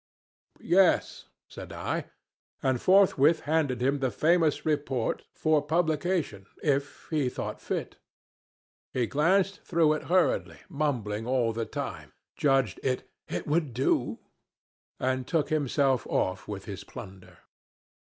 'Yes,' said I, and forthwith handed him the famous Report for publication, if he thought fit. He glanced through it hurriedly, mumbling all the time, judged 'it would do,' and took himself off with this plunder.